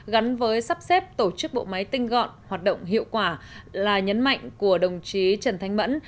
gắn với sắp xếp tổ chức bộ máy tinh gọn hoạt động hiệu quả là nhấn mạnh của đồng chí trần thanh mẫn